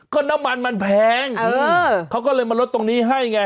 ก็น้ำมันมันแพงเขาก็เลยมาลดตรงนี้ให้ไง